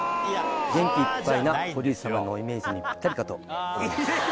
元気いっぱいな堀内様のイメージにぴったりだと思います。